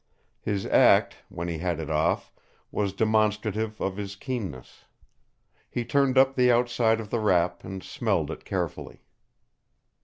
His act, when he had it off, was demonstrative of his keenness. He turned up the outside of the wrap and smelled it carefully.